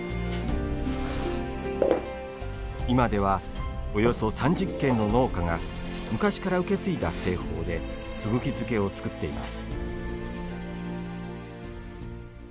今では、およそ３０軒の農家が昔から受け継いだ製法ですぐき漬けを作っています。